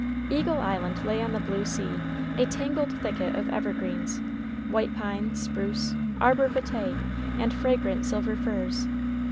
Eagle Island lay on the blue sea, a tangled thicket of evergreens, white pine, spruce, arbor vitæ, and fragrant silver firs.